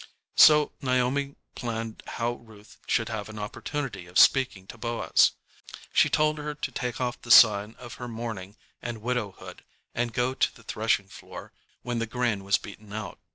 So Naomi planned how Ruth should have an opportunity of speaking to Boaz. She told her to take off the sign of her mourning and widowhood, and go to the threshing floor when the grain was beaten out.